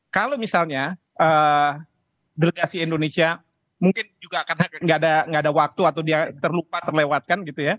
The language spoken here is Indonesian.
kalau misalnya delegasi indonesia mungkin juga akan tidak ada waktu atau dia terlewatkan